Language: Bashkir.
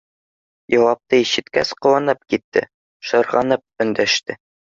Яуапты ишеткәс, ҡыуанып китте, шырғанып өндәште: